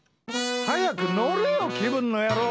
早く乗れよ、気分の野郎！